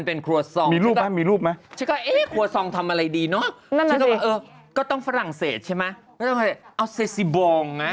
เพราะว่าสมมุติเช่าส่งน้ำพริกมาใช่ไหม